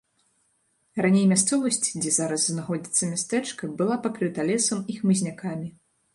Раней мясцовасць, дзе зараз знаходзіцца мястэчка, была пакрыта лесам і хмызнякамі.